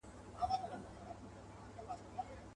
د جهاني غزل د شمعي په څېر ژبه لري.